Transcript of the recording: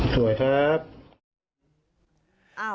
สวยครับอะ